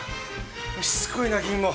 しつこいな君も。